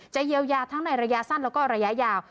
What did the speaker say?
เยียวยาทั้งในระยะสั้นแล้วก็ระยะยาว